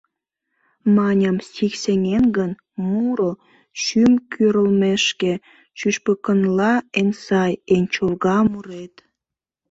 Маньым: стих сеҥен гын, Муро, шӱм кӱрлмешке, Шӱшпыкынла эн сай, Эн чолга мурет!